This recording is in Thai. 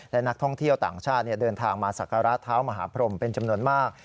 และนักท่องเที่ยวต่างชาติเดินทางมาศักระเท้ามหาพรมเป็นจำนวนมาก